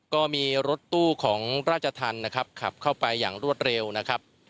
ก็มีรถตู้ของราชธรรมนะครับขับเข้าไปอย่างรวดเร็วนะครับ